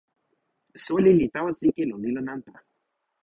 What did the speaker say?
soweli li tawa sike lon ilo nanpa.